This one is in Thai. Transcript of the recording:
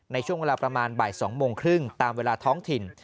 ในช่วงเวลาประมาณบ่าย๒โมงครึ่งตามเวลาท้องถิ่น